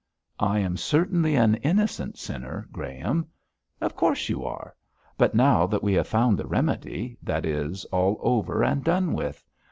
'I am certainly an innocent sinner, Graham.' 'Of course you are; but now that we have found the remedy, that is all over and done with.